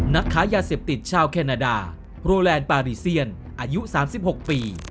นักค้ายาเสพติดชาวแคนาดาโรแลนด์ปารีเซียนอายุ๓๖ปี